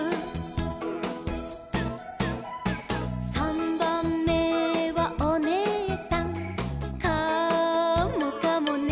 「さんばんめはおねえさん」「カモかもね」